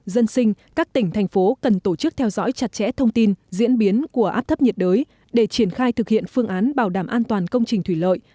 dân sinh các tỉnh thành phố cần tổ chức theo dõi chặt chẽ thông tin diễn biến của áp thấp nhiệt đới để triển khai thực hiện phương án bảo đảm an toàn công trình thủy lợi